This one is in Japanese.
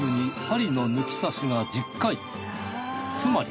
つまり。